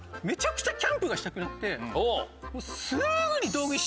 めちゃくちゃキャンプがしたくなってすぐに。